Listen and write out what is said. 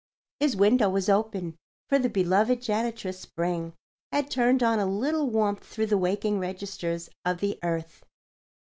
His window was open, for the beloved janitress Spring had turned on a little warmth through the waking registers of the earth.